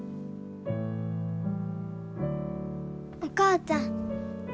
お母ちゃん。